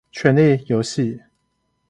權力遊戲